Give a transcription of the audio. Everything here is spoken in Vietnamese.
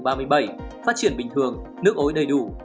phát triển bình thường nước ối đầy đủ